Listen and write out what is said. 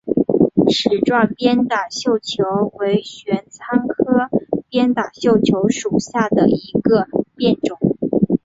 齿状鞭打绣球为玄参科鞭打绣球属下的一个变种。